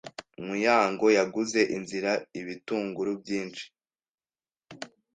Muyango yaguze inzira ibitunguru byinshi.